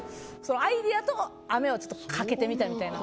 アイディアと雨をちょっと掛けてみたみたいな。